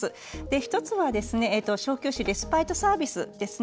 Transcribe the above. １つは小休止レスパイトサービスですね。